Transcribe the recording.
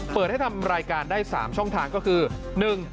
เปิดให้ทำรายการได้๓ช่องทางก็คือ